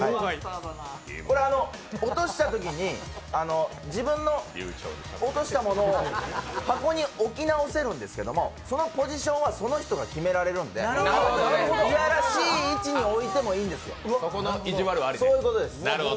これ、落としたときに、自分の落としたものを箱に置き直せるんですけどそのポジションはその人が決められるんで、いやらしい位置に置いてもいいんです。